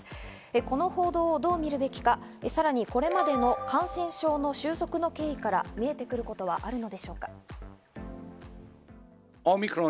この報道をどう見るべきか、さらにこれまでの感染症の収束の経緯から見えてくることはあるのでしょうか。